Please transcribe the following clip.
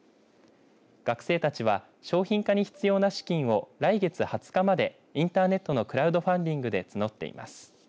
学生たちは商品化に必要な資金を来月２０日までインターネットのクラウドファンディングで募っています。